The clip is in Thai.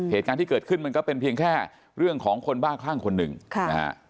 เหตุการณ์ที่เกิดขึ้นมันก็เป็นเพียงแค่เรื่องของคนบ้าคลั่งคนหนึ่งค่ะนะฮะ